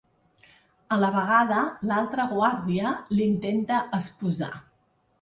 A la vegada, l’altra guàrdia l’intenta esposar.